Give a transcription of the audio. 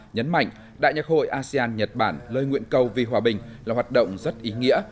nhấn mạnh đại nhạc hội asean nhật bản lời nguyện cầu vì hòa bình là hoạt động rất ý nghĩa